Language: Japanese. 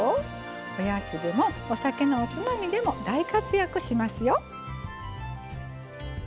おやつでもお酒のおつまみでも大活躍しますよ。